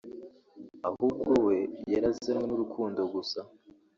ahubwo we yarazanywe n’urukundo gusa